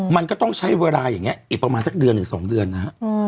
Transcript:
มันก็ต้องใช้เวลาอย่างนี้อีกประมาณสักเดือนหรือ๒เดือนนะฮะ